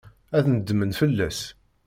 Ad nedmen fell-as.